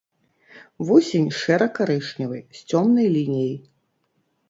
Вусень шэра-карычневы, з цёмнай лініяй.